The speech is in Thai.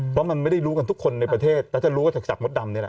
เพราะมันไม่ได้รู้กันทุกคนในประเทศแล้วจะรู้กันจากมดดำนี่แหละ